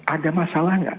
ada masalah nggak